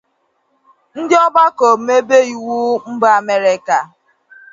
ndị ọgbakọ omebe iwu mba Amerịka